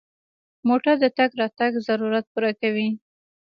موټر د تګ راتګ ضرورت پوره کوي.